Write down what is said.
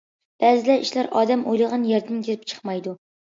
بەزىدە ئىشلار ئادەم ئويلىغان يەردىن كېلىپ چىقمايدۇ.